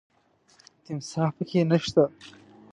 تمساح پکې نه شته .